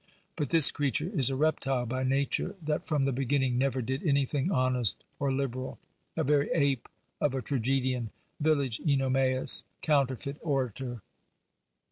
But this creature is a reptile by nature, that from the beginning never did anything honest or lib eral ; a very ape of a tragedian, village CEno maus, counterfeit orator!